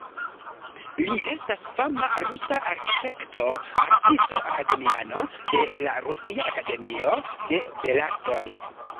Li estas fama rusa arkitekto, artisto, akademiano de la Rusia Akademio de Belartoj.